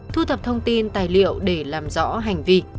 thu thập thông tin tài liệu để làm rõ hành vi